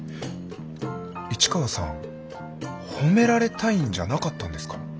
市川さん褒められたいんじゃなかったんですか？